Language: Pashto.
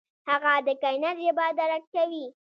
هغه د کائنات ژبه درک کوي.